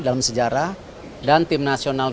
dalam sejarah dan tim nasional